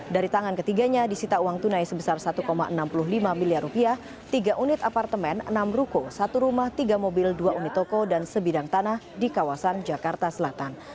dari tangan ketiganya disita uang tunai sebesar satu enam puluh lima miliar rupiah tiga unit apartemen enam ruko satu rumah tiga mobil dua unit toko dan sebidang tanah di kawasan jakarta selatan